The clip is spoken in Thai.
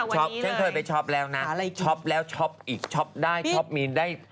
ฉันเคยไปช็อปแล้วนะช็อปแล้วช็อปอีกช็อปได้ช็อปมีนได้